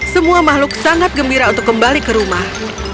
semua makhluk sangat gembira untuk kembali ke rumah